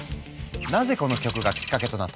なぜこの曲がきっかけとなったのか。